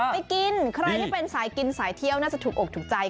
ไปกินใครที่เป็นสายกินสายเที่ยวน่าจะถูกอกถูกใจ